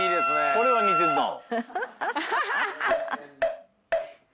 「これは似てるなあ」